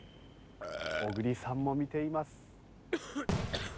小栗さんも見ています。